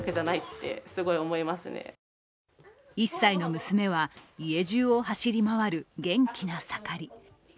１歳の娘は家中を走り回る元気な盛り。